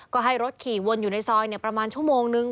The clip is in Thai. ก็ให้รถขี่วนอยู่ในซอยประมาณชั่วโมงนึง